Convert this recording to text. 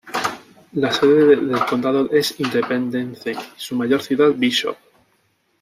La sede del condado es Independence y su mayor ciudad Bishop.